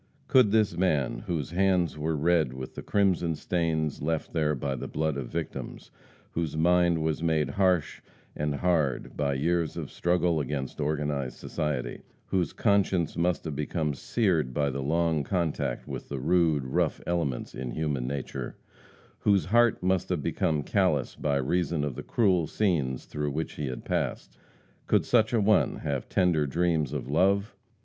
Could this man, whose hands were red with the crimson stains left there by the blood of victims; whose mind was made harsh and hard by years of struggle against organized society; whose conscience must have become seared by the long contact with the rude, rough elements in human nature; whose heart must have become callous by reason of the cruel scenes through which he had passed could such a one have tender dreams of love?